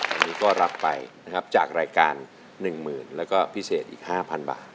อันนี้ก็รับไปนะครับจากรายการ๑๐๐๐แล้วก็พิเศษอีก๕๐๐บาท